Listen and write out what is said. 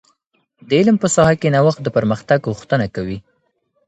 د علم په ساحه کي نوښت د پرمختګ غوښتنه کوي.